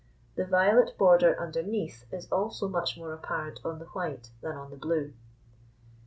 The violet border underneath is also much more apparent on the white than on the blue.